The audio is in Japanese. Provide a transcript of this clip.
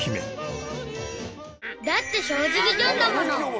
「だって正直ジョンだもの」